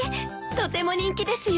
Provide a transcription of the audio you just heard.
とても人気ですよ。